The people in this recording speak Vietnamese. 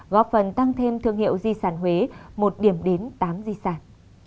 góp phần tăng thêm thương hiệu di sản huế một điểm đến tám di sản